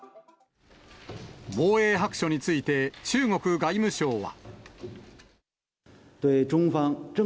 防衛白書について中国外務省は。